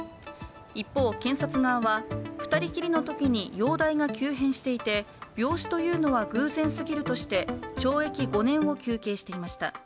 一方、検察側は、２人きりのときに容体が急変していて病死というのは偶然すぎるとして、懲役５年を求刑していました。